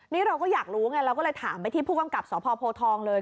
นี่เราก็อยากรู้ไงเราก็เลยถามไปที่ผู้กำกับสพโพทองเลย